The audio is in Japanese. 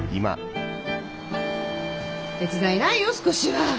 手伝いないよ少しは。